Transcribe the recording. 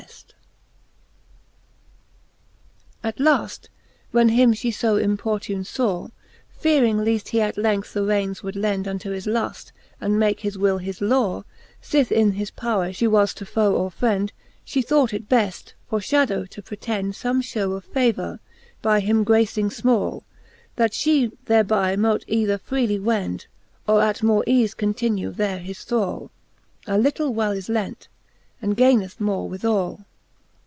VI. At 368 ^he Jtxthe Booke of Canto XI. VL At laft when him £he fo importune faw, Fearing leaft he at length the raines would lend Unto his luft, and make his will his law_, Sith in his powre fhe was to foe or frend, She thought it beft, for (hadow, to pretend Some jfhew of favour, by him gracing fmall, That fhe thereby mote either freely wend. Or at more eafe continue there his thrall : A little well is lent, that gaineth more withall.